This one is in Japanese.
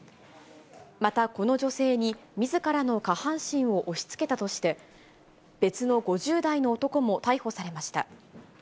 またこの女性に、みずからの下半身を押しつけたとして、別の５０代の男も逮捕されました。